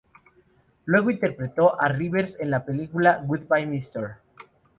Luego interpretó a Rivers en la película "Goodbye, Mr.